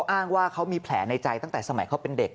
อ่างว่า์มีแผลในใจตั้งแต่ตลอดเล็ก